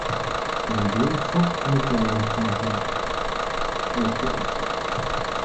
Mein Sohn zockt mit seinem Vater auf der X-Box!